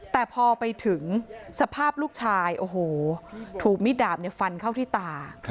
แต่พอไปถึงสภาพลูกชายโอ้โหถูกมิดดาบฟันเข้าที่ตา